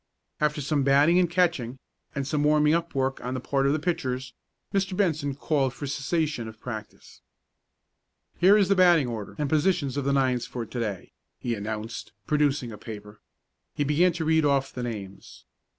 After some batting and catching, and some warming up work on the part of the pitchers, Mr. Benson called for a cessation of practice. "Here is the batting order and positions of the nines for to day," he announced, producing a paper. He began to read off the names.